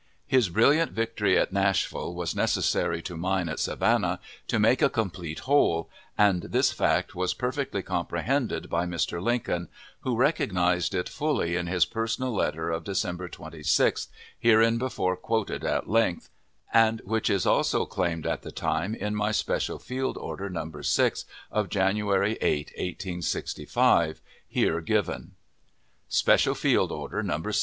His brilliant victory at Nashville was necessary to mine at Savannah to make a complete whole, and this fact was perfectly comprehended by Mr. Lincoln, who recognized it fully in his personal letter of December 26th, hereinbefore quoted at length, and which is also claimed at the time, in my Special Field Order No. 6, of January 8, 1865, here given: (Special Field Order No. 6.)